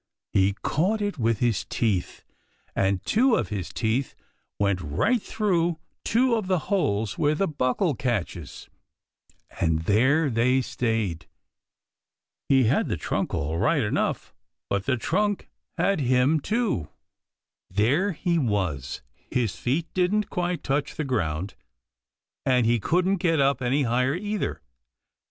He caught it with his teeth, and two of his teeth went right through two of the holes where the buckle catches, and there they stayed. He had the trunk all right enough, but the trunk had him, too. [Illustration: THE ARRIVAL OF THE OTHER GUESTS.] There he was. His feet didn't quite touch the ground, and he couldn't get up any higher either.